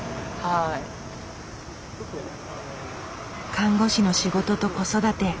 看護師の仕事と子育て。